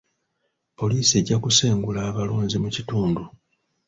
Poliisi ejja kusengula abalunzi mu kitundu.